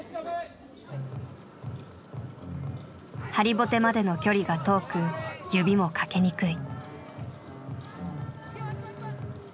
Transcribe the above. ハリボテまでの距離が遠く指もかけにくい。